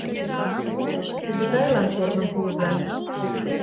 — Кугызайлан корным пуыза!